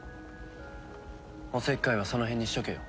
おせっかいはその辺にしとけよ。